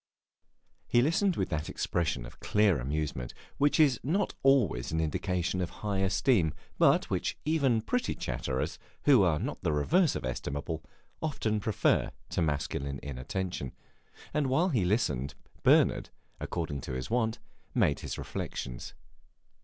He listened with that expression of clear amusement which is not always an indication of high esteem, but which even pretty chatterers, who are not the reverse of estimable, often prefer to masculine inattention; and while he listened Bernard, according to his wont, made his reflections.